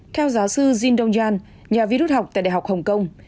theo giáo sư jin dong jan nhà vi rút học tại đại học hồng kông